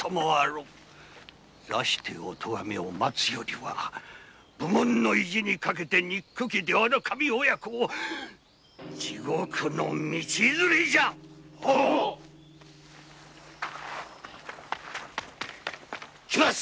座しておとがめを待つよりは武門の意地にかけて憎き出羽守親子を地獄の道連れじゃ来ます